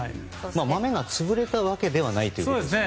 マメが潰れたわけではないということですよね。